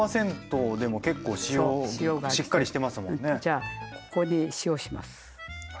じゃあここに塩をします。